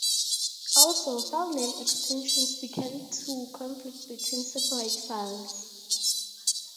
Also, filename extensions began to conflict between separate files.